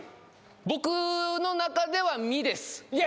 僕の中では「ミ」ですいや